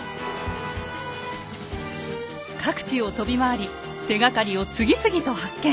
各地を飛び回り手がかりを次々と発見！